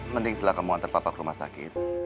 mending setelah kamu anter papa ke rumah sakit